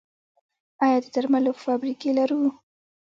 آیا د درملو فابریکې لرو؟